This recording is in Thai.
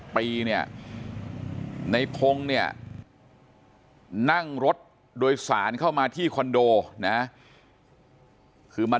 ปีเนี่ยในพงศ์เนี่ยนั่งรถโดยสารเข้ามาที่คอนโดนะคือมา